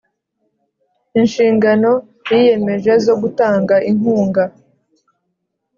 Inshingano yiyemeje zo gutanga inkunga